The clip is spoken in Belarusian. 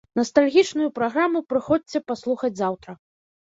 Настальгічную праграму прыходзьце паслухаць заўтра.